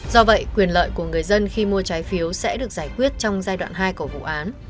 do vậy quyền lợi của người dân khi mua trái phiếu sẽ được giải quyết trong giai đoạn hai của vụ án